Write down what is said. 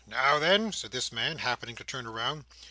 "Now then!" said this man, happening to turn round.